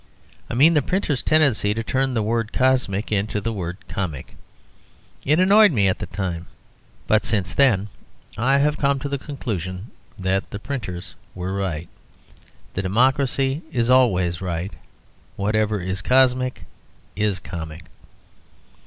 I mean the printer's tendency to turn the word "cosmic" into the word "comic." It annoyed me at the time. But since then I have come to the conclusion that the printers were right. The democracy is always right. Whatever is cosmic is comic.